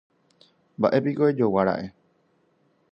Mba'épiko rejoguára'e.